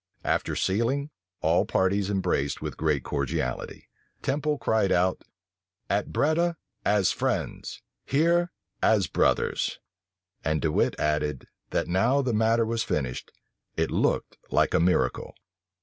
After sealing, all parties embraced with great cordiality. Temple cried out, "At Breda, as friends: here, as brothers." And De Wit added, that now the matter was finished, it looked like a miracle.